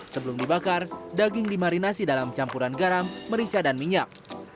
sebelum dibakar daging dimarinasi dalam campuran garam merica dan minyak